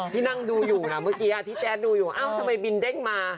ที่นั่งดูอยู่นะเมื่อกี้ที่แจ๊ดดูอยู่เอ้าทำไมบินเด้งมา